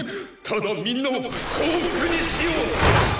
ただみんなを幸福にしようと！